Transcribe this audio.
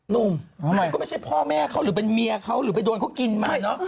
หนุ่มใหม่ก็ไม่ใช่พ่อแม่เขาหรือเป็นเมียเขาหรือไปโดนเขากินมาเนอะ